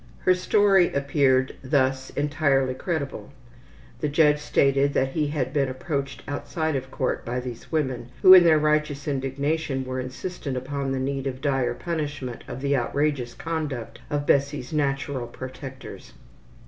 Her story appeared thus entirely credible. The judge stated that he had been approached outside of court by these women, who in their righteous indignation were insistent upon the need of dire punishment of the outrageous conduct of Bessie's natural protectors.